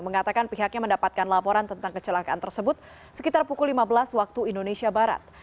mengatakan pihaknya mendapatkan laporan tentang kecelakaan tersebut sekitar pukul lima belas waktu indonesia barat